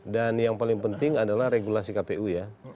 dan yang paling penting adalah regulasi kpu ya